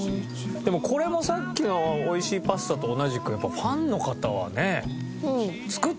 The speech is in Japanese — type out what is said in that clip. でもこれもさっきの美味しいパスタと同じくやっぱやっぱこれ。